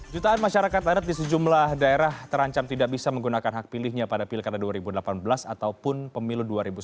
jutaan masyarakat adat di sejumlah daerah terancam tidak bisa menggunakan hak pilihnya pada pilkada dua ribu delapan belas ataupun pemilu dua ribu sembilan belas